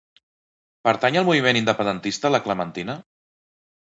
Pertany al moviment independentista la Clementina?